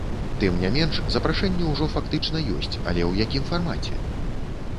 Тым не менш, запрашэнне ўжо фактычна ёсць, але ў якім фармаце?